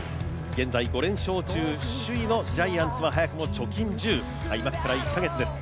現在、５連勝中、首位のジャイアンツは早くも貯金１０、開幕から１カ月です。